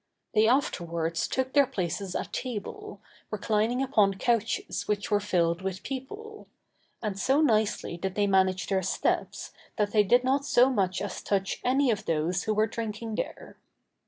They afterwards took their places at table, reclining upon couches which were filled with people; and so nicely did they manage their steps, that they did not so much as touch any of those who were drinking there.